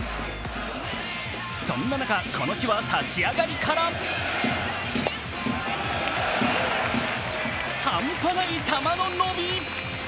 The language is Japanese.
そんな中、この日は立ち上がりから半端ない球の伸び。